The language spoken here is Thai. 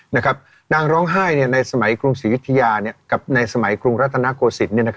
นางร้องไห้ในสมัยกรุงศรียุธยากับในสมัยกรุงรัฐนาโกศิลป์